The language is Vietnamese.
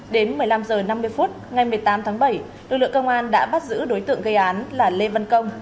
đến một mươi năm h năm mươi phút ngày một mươi tám tháng bảy lực lượng công an đã bắt giữ đối tượng gây án là lê văn công